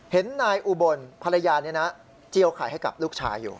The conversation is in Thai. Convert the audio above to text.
เห็นนายอุบลภรรยานี้นะเจียวไข่ให้กับลูกชายอยู่